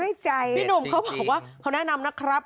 พี่หนุ่มเขาบอกว่าเขาแนะนำนะครับ